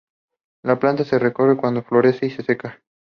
La planta se recoge cuando florece y se seca.